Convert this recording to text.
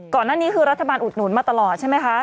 ก่อนหน้านี้คือรัฐบาลอุดหนุนมาตลอดใช่ไหมคะ